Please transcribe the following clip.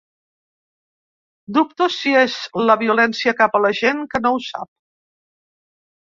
Dubto si és la violència cap a la gent que no ho sap.